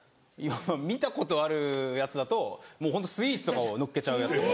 見たことあるやつだともうホントスイーツとかをのっけちゃうやつとか。